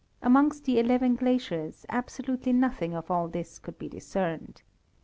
Amongst the eleven glaciers, absolutely nothing of all this could be discerned.